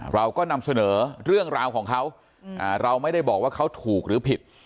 เราก็นำเสนอเรื่องราวของเขาเราไม่ได้บอกว่าเขาถูกหรือผิด